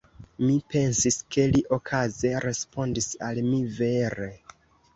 Mi pensis, ke li okaze respondis al mi vere.